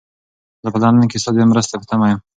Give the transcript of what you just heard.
زه په لندن کې ستا د مرستې په تمه یم.